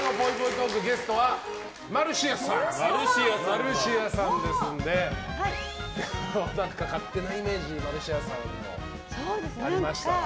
トークゲストはマルシアさんですので何か勝手なイメージマルシアさんの、ありましたら。